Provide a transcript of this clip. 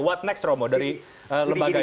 what next romo dari lembaga